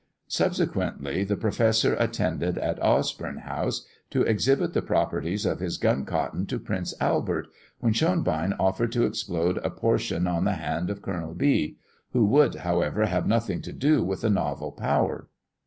Subsequently, the professor attended at Osborne House, to exhibit the properties of his gun cotton to Prince Albert, when Schonbein offered to explode a portion on the hand of Colonel B : who would, however, have nothing to do with the novel power.